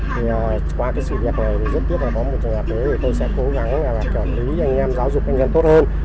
thì qua cái sự việc này rất tiếc là có một trường hợp tới tôi sẽ cố gắng trợ lý anh em giáo dục anh em tốt hơn